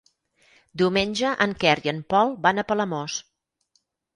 Diumenge en Quer i en Pol van a Palamós.